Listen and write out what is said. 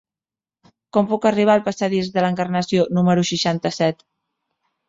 Com puc arribar al passadís de l'Encarnació número seixanta-set?